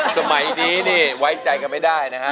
สมัยนี้นี่ไว้ใจกันไม่ได้นะฮะ